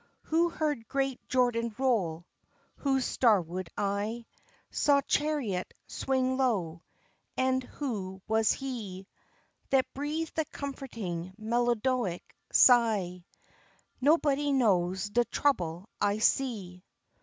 Who heard great "Jordan roll"? Whose starward eye Saw chariot "swing low"? And who was he That breathed that comforting, melodic sigh, "Nobody knows de trouble I see"?